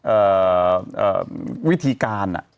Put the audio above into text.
เอ่อวิธีการอ่ะ